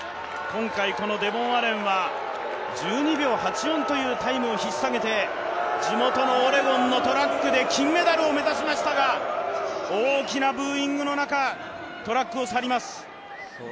今回、デボン・アレンは１２秒８４というタイムをひっさげて地元のオレゴンのトラックで金メダルを目指しましたが、大きなブーイングの中、トラックを去ります。